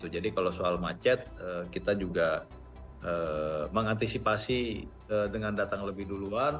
jadi kalau soal macet kita juga mengantisipasi dengan datang lebih duluan